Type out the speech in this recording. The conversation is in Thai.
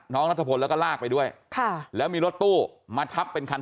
นัทพลแล้วก็ลากไปด้วยค่ะแล้วมีรถตู้มาทับเป็นคัน